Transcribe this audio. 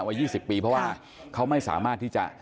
วันยี่สิบปีเพราะว่าเขาไม่สามารถที่จะ